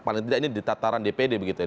paling tidak ini di tataran dpd begitu ya